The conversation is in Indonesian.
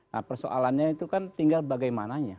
nah persoalannya itu kan tinggal bagaimananya